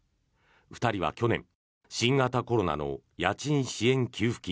２人は去年新型コロナの家賃支援給付金